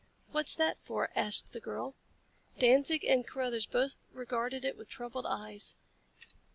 "What's that for?" asked the girl. Danzig and Carruthers both regarded it with troubled eyes.